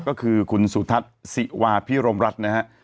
ก็คือคุณสุทัศน์ศิวาพิรมรัฐนะฮะ